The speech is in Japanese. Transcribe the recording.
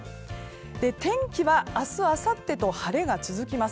天気は明日あさってと晴れが続きます。